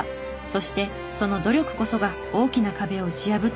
そしてその努力こそが大きな壁を打ち破った。